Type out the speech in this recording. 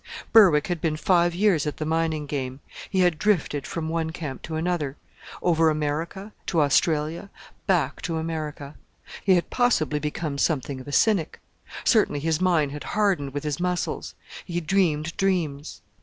Berwick had been five years at the mining game. He had drifted from one camp to another: over America, to Australia, back to America. He had possibly become something of a cynic; certainly his mind had hardened with his muscles. He dreamed dreams.